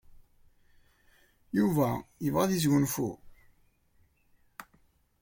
Yuba yebɣa ad yesgunfu?